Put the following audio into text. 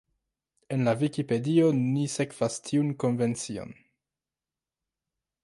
En la Vikipedio ni sekvas tiun konvencion.